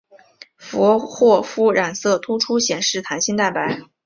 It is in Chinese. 佛霍夫染色突出显示弹性蛋白。